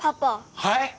はい？